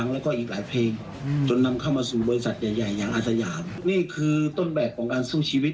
นี่คือต้นแบบของการสู้ชีวิต